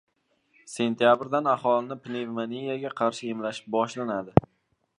Sentyabrdan aholini pnevmoniyaga qarshi emlash boshlanadi